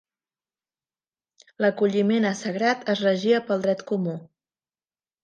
L'acolliment a sagrat es regia pel dret comú.